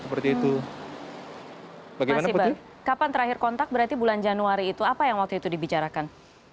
mas iqbal kapan terakhir kontak berarti bulan januari itu apa yang waktu itu dibicarakan